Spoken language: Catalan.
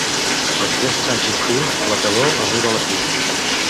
Després de Sant Crispí, la calor arriba a la fi.